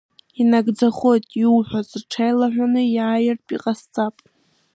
Инагӡахоит иуҳәаз, рҽеилаҳәаны иаартә иҟасҵап.